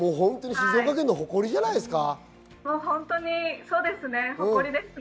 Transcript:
静岡県の誇りじゃないですか？